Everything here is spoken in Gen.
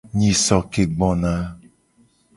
Nyiso ke gbona.